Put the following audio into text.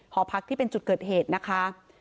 หอพักที่เป็นจุดเกิดเหตุนะคะ